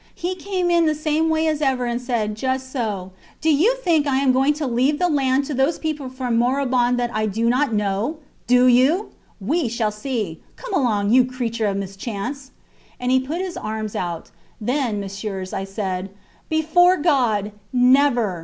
He came in the same way as ever and said, just so: Do you think I am going to leave the land to those people from Morbihan that I do not know? Do you? We shall see! Come along, you creature of mischance! And he put his arms out. Then, Messieurs, I said: Before God never!